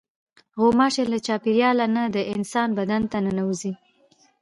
غوماشې له چاپېریاله نه د انسان بدن ته ننوځي.